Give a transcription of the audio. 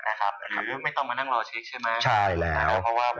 หรือไม่ต้องมานั่งรอเช็คใช่ไหม